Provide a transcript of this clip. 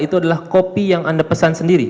itu adalah kopi yang anda pesan sendiri